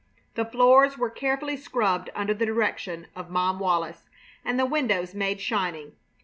The floors were carefully scrubbed under the direction of Mom Wallis, and the windows made shining.